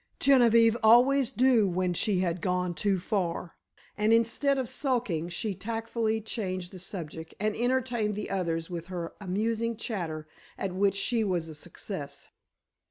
Genevieve always knew when she had gone too far, and, instead of sulking, she tactfully changed the subject and entertained the others with her amusing chatter, at which she was a success.